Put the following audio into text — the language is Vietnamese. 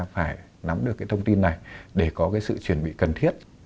phải nắm được cái thông tin này để có cái sự chuẩn bị cần thiết